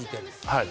はい。